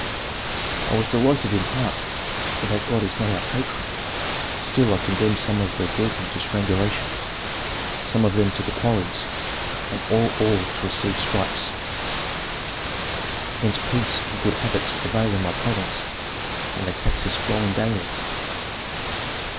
I was delighted in heart, for that god is not our patron; still I condemned some of the guilty to strangulation, some of them to the quarries, and all to receive stripes. "Hence peace and good habits prevail in my province, and the taxes flow in daily."